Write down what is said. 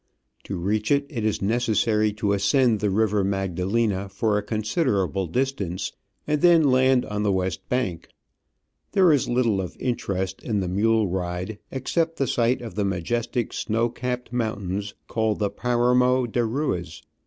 To reach it, it is necessary to ascend the river Magda lena for a considerable distance, and then land on the west bank. There is little of interest in the mule ride except the sight of the majestic snow capped moun tains, called the Paramo de Ruiz.